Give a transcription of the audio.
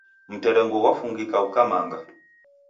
Mterengo gwafungika ghukamanga